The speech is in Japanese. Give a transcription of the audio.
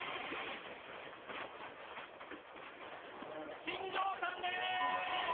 新庄さんです。